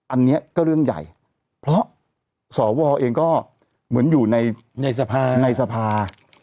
อันนี้ก็เรื่องใหญ่เพราะสวเองก็เหมือนอยู่ในสภาในสภา